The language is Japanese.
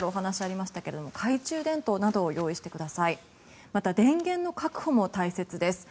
また電源の確保も大切です。